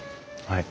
はい。